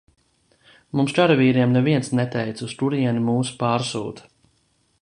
Mums karavīriem neviens neteica uz kurieni mūs pārsūta.